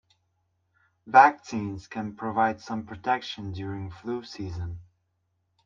Vaccines can provide some protection during flu season.